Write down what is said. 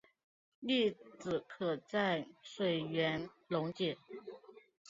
粒子可在水源溶解。